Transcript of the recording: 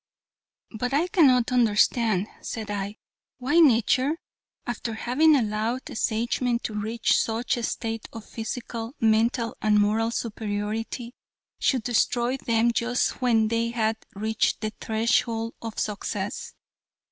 "But I cannot understand," said I, "why nature, after having allowed the Sagemen to reach such a state of physical, mental and moral superiority, should destroy them just when they had reached the threshold of success."